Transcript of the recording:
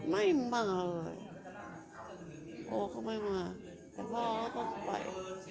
ไม่มาเลยโอค่ะไม่มาแต่พ่อค่ะเขาไป